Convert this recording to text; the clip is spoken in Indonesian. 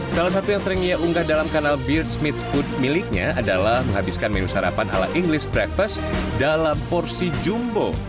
salah satu yang sering ia unggah dalam kanal bearch mitch food miliknya adalah menghabiskan menu sarapan ala inggris breakfast dalam porsi jumbo